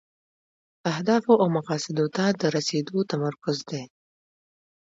اهدافو او مقاصدو ته د رسیدو تمرکز دی.